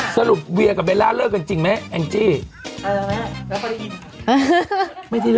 สรุปเวียกับเบลล่าเลิกกันจริงมั้ยแอ้งจี้